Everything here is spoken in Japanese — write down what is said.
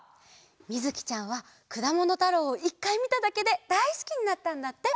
みずきちゃんは「くだものたろう」を１かいみただけでだいすきになったんだって。